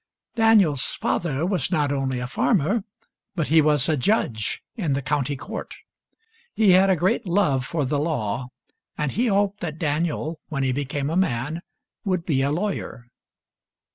Daniel's father was not only a farmer, but he was a judge in the county court. He had a great love for the law, and he hoped that Daniel when he became a man would be a lawyer.